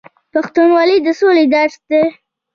پښتونولي د سولې درس دی.